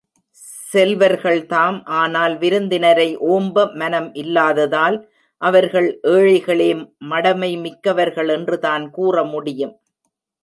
செல்வர்கள்தாம் ஆனால் விருந்தினரை ஓம்ப மனம் இல்லாததால் அவர்கள் ஏழைகளே மடமை மிக்கவர்கள் என்றுதான் கூற முடியும்.